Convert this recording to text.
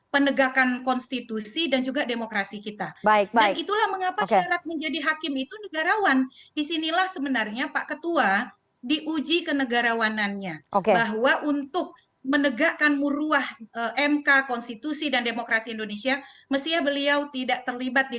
penegakan konstitusi dan juga demokrasi kita